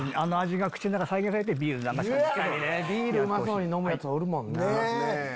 ビールうまそうに飲むヤツおるもんな。